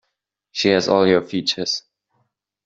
She has all your features.